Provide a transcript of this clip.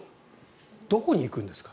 どこに行くんですか？